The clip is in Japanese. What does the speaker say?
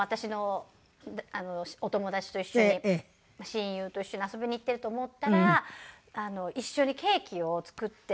親友と一緒に遊びに行ってると思ったら一緒にケーキを作って。